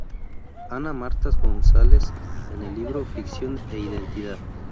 Ana Marta González en el libro "Ficción e identidad.